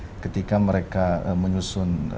ketika mereka menyusun